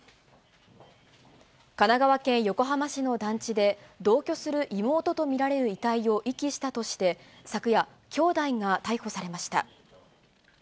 神奈川県横浜市の団地で、同居する妹と見られる遺体を遺棄したとして、昨夜、兄弟が逮捕されました。